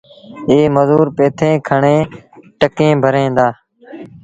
ائيٚݩ مزور پيٿين کڻي ٽڪيٚݩ ڀريٚݩ دآ۔